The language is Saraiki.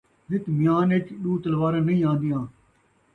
ہک میان ءِچ ݙو تلواراں نئیں آن٘دیاں